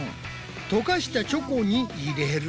溶かしたチョコに入れる。